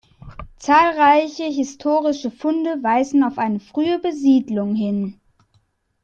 Zahlreiche historische Funde weisen auf eine frühere Besiedlung hin.